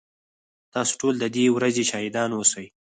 تاسو ټول ددې ورځي شاهدان اوسئ